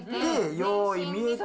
用意見えて。